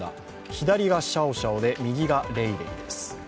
左がシャオシャオで右がレイレイです。